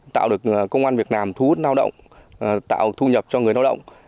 tạo được công an việt nam thu hút lao động tạo thu nhập cho người lao động